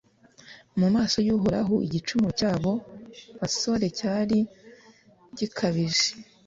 mu maso y'uhoraho igicumuro cy'abo basore cyari gikabije